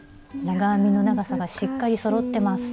長編みの長さがしっかりそろってます。